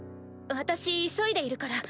私急いでいるから。